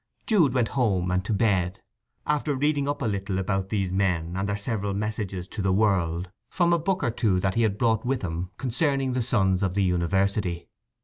Jude went home and to bed, after reading up a little about these men and their several messages to the world from a book or two that he had brought with him concerning the sons of the university.